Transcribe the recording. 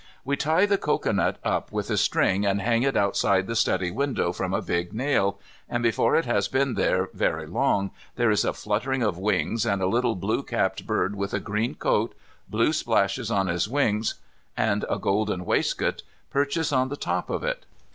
We tie the cocoanut up with string and hang it outside the study window from a big nail, and before it has been there very long there is a fluttering of wings and a little blue capped bird with a green coat, blue splashes on his wings, and a golden waistcoat, perches on the top of it.